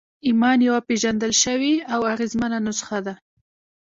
ایمان یوه پېژندل شوې او اغېزمنه نسخه ده